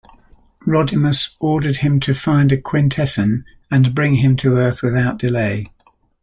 Rodimus ordered him to find a Quintesson and bring him to Earth without delay.